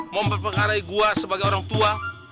mau memperpengarai gua sebagai orang tua